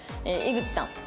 井口さん。